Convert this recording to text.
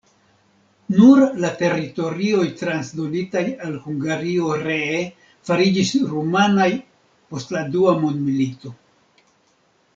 Nur la teritorioj transdonitaj al Hungario ree fariĝis rumanaj post la dua mondmilito.